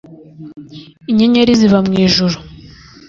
inyenyeri ziba mu ijuru